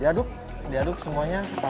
diaduk ya diaduk semuanya